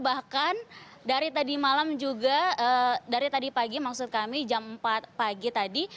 bahkan dari tadi malam juga dari tadi pagi maksud kami jam empat pagi tadi